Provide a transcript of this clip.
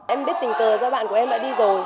em biết tình cờ do bạn của em đã đi rồi